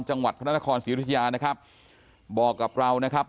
จังหวัดพระนครศรีอุทยานะครับบอกกับเรานะครับ